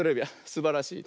すばらしい。